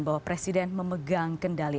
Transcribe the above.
bahwa presiden memegang kendali